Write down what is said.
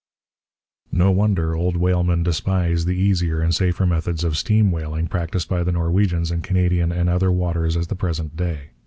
No wonder old whalemen despise the easier and safer methods of steam whaling practised by the Norwegians in Canadian and other waters at the present day.